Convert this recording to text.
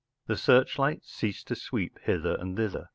The searchlights ceased to sweep hither and thither.